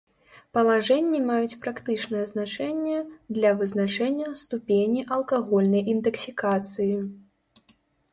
Палажэнні маюць практычнае значэнне для вызначэння ступені алкагольнай інтаксікацыі.